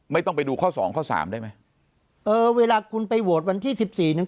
ไม่ต้องไปดูข้อสองข้อสามได้ไหมเออเวลาคุณไปโหวตวันที่สิบสี่เนี้ย